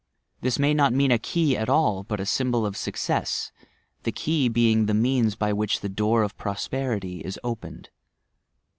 This may not mean a key at all, but a symbol of success, — the key being the means by which the door of prosperity is opened.